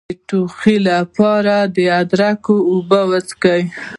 د ټوخي لپاره د ادرک اوبه وڅښئ